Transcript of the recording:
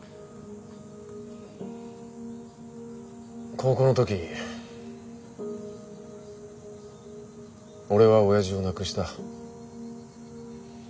高校の時俺は親父を亡くした。